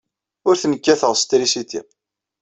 Ur ten-kkateɣ s trisiti.